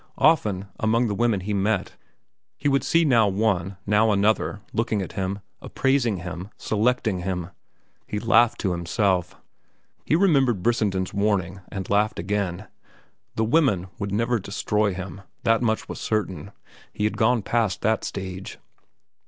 Often, among the women he met, he would see now one, now another, looking at him, appraising him, selecting him. He laughed to himself. He remembered Brissenden's warning and laughed again. The women would never destroy him, that much was certain. He had gone past that stage.